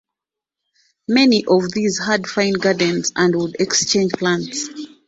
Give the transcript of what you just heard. Many of these had fine gardens and would exchange plants.